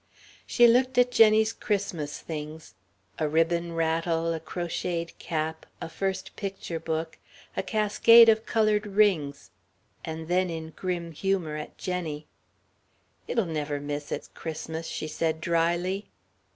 She looked at Jenny's Christmas things a ribbon rattle, a crocheted cap, a first picture book, a cascade of colored rings and then in grim humour at Jenny. "It'll never miss its Christmas," she said dryly.